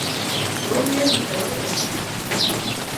kou ye kitou Rashid.